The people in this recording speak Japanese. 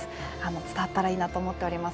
伝わったらいいなと思っております。